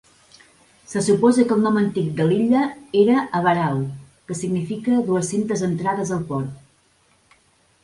Se suposa que el nom antic de l"illa era "Avarau", que significa "dues centes entrades al port".